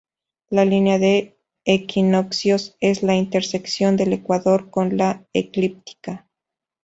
La línea de equinoccios es la intersección del ecuador con la eclíptica.